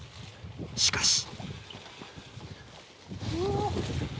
しかし。